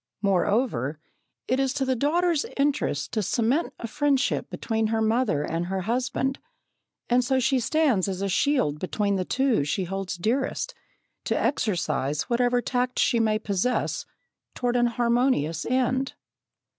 Moreover, it is to the daughter's interest to cement a friendship between her mother and her husband, and so she stands as a shield between the two she holds dearest, to exercise whatever tact she may possess toward an harmonious end.